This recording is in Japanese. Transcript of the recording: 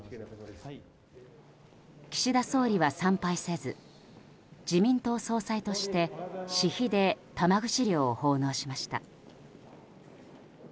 岸田総理は参拝を見送り自民党総裁として私費で玉串料を奉納しました。